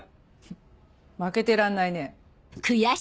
フッ負けてらんないね。